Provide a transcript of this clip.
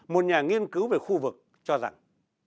một nhà nghiên cứu về khu vực cho rằng